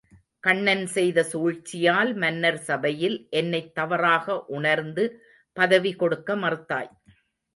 கண்ணன் செய்த சூழ்ச்சியால் மன்னர் சபையில் என்னைத் தவறாக உணர்ந்து பதவி கொடுக்க மறுத்தாய்.